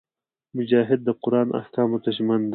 مجاهد د قران احکامو ته ژمن وي.